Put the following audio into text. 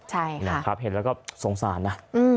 เห็นแล้วก็สงสารนะ